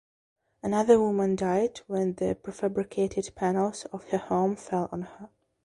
Another woman died when the prefabricated panels of her home fell on her.